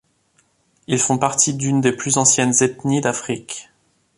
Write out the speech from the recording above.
Ils font partie d'une des plus anciennes ethnies d'Afrique.